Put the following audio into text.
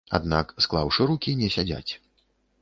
Аднак, склаўшы рукі не сядзяць.